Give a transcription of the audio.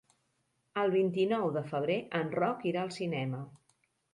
El vint-i-nou de febrer en Roc irà al cinema.